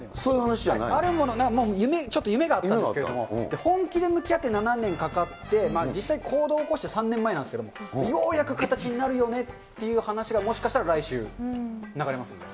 あるもの、ちょっと夢があったんですけれども、本気で向き合って７年かかって、実際、行動起こして３年前なんですけども、ようやく形になるよねっていう話が、もしかしたら来週、流れますんで。